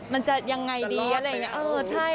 มันจะอย่างไรดีอะไรอย่างนี้เออใช่